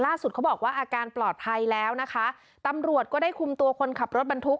เขาบอกว่าอาการปลอดภัยแล้วนะคะตำรวจก็ได้คุมตัวคนขับรถบรรทุก